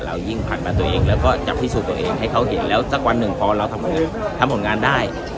ยิ่งผ่านมาตัวเองแล้วก็จะพิสูจน์ตัวเองให้เขาเห็นแล้วสักวันหนึ่งพอเราทำผลงานได้